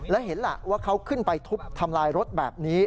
และเห็นล่ะว่าเขาขึ้นไปทุบทำลายรถแบบนี้